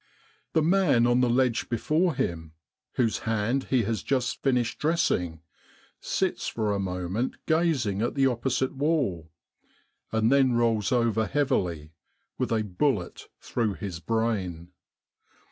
The man on the ledge before him, whose hand he has just finished dressing, sits for a moment gazing at the opposite wall, and then rolls over heavily with a bullet through his brain.